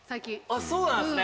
「あっそうなんですね！